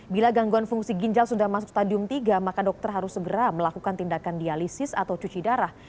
bila gangguan fungsi ginjal sudah masuk stadium tiga maka dokter harus segera melakukan tindakan dialisis atau cuci darah